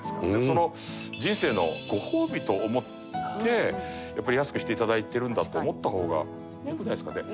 その人生のご褒美と思って安くして頂いているんだと思った方がよくないですかね。